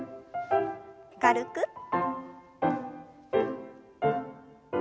軽く。